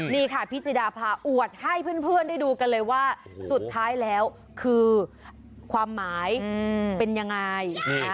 นี่ค่ะพี่จิดาพาอวดให้เพื่อนได้ดูกันเลยว่าสุดท้ายแล้วคือความหมายเป็นยังไง